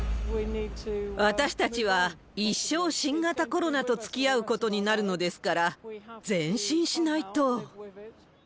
私たちは一生、新型コロナとつきあうことになるのですから、前進しないと。